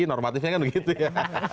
normatifnya kan begitu ya